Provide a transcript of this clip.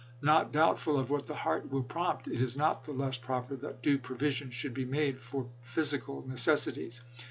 Not doubtful of what the heart will prompt, it is not the less proper that due provision should be made for physical necessities.